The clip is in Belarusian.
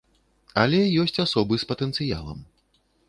Але ёсць асобы з патэнцыялам.